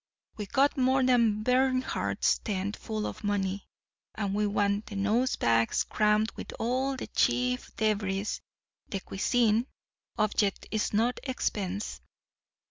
We've got more than Bernhardt's tent full of money; and we want the nose bags crammed with all the Chief Deveries de cuisine. Object is no expense.